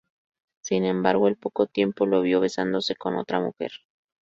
Sin embargo, al poco tiempo lo vio besándose con otra mujer.